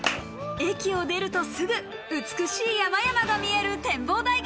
駅を出るとすぐ美しい山々が見える展望台が。